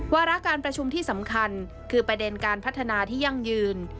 วาระการประชุมที่สำคัญคือประเด็นการพัฒนาที่ยั่งยืน